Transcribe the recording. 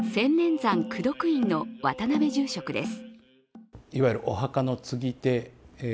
山功徳院の渡辺住職です。